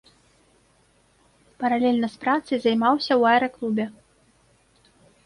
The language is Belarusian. Паралельна з працай займаўся ў аэраклубе.